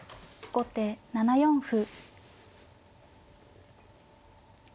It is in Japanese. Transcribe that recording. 後手４四歩。